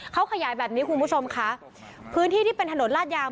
เขาขยายแบบนี้คุณผู้ชมค่ะพื้นที่ที่เป็นถนนลาดยาง